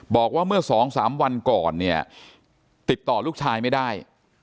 บอกว่าเมื่อสองสามวันก่อนเนี่ยติดต่อลูกชายไม่ได้